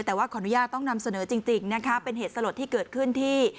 แต่ว่าขออนุญาตต้องนำเสนอจริงนะคะเป็นเหตุสลดที่เกิดขึ้นที่